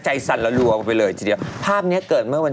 จะไปเป็นทีบทีบหรือไปทำงาน